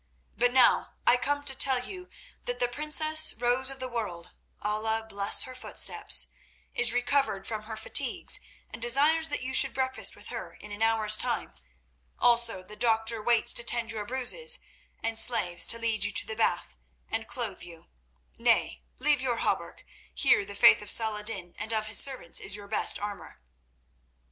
But now I come to tell you that the princess Rose of the World—Allah bless her footsteps!—is recovered from her fatigues, and desires that you should breakfast with her in an hour's time. Also the doctor waits to tend your bruises, and slaves to lead you to the bath and clothe you. Nay, leave your hauberk; here the faith of Salah ed din and of his servants is your best armour."